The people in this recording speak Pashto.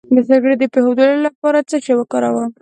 د سګرټ د پرېښودو لپاره څه شی وکاروم؟